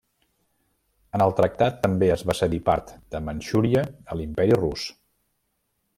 En el tractat també es va cedir part de Manxúria a l'Imperi Rus.